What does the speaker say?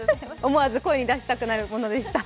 思わず声に出したくなるものでした。